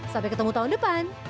sampai ketemu tahun depan